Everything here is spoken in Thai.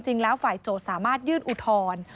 จริงแล้วฝ่ายโจทย์สามารถยื่นอุทธรณ์